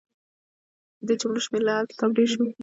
د دې جملو شمېر له هر کتاب ډېر شو.